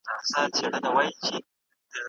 هغه ځوان به د خپل نفس د غوښتنو خلاف په مېړانه درېده.